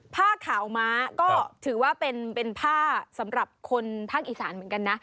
ผ้าขาวม้าก็ถือว่าเป็นผ้าสำหรับคนภาคอีสานเหมือนกันนะ